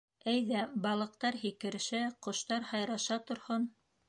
Әйҙә, балыҡтар һикерешә, ҡоштар һайраша торһон.